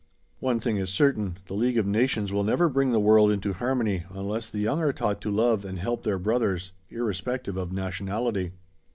One thing is certain the League of Nations will never bring the world into harmony unless the young are taught to love and help their brothers, irrespective of nationality.